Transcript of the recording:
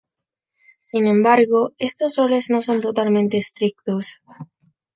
Sin embargo, estos roles no son totalmente estrictos.